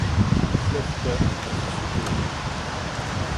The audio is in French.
Le fleuve Tone passe au sud de la ville.